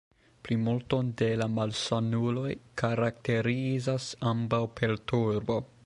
Plimulton de la malsanuloj karakterizas ambaŭ perturbo.